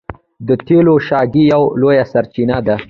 د تیلو شګې یوه لویه سرچینه ده.